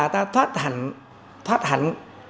ta thoát hẳn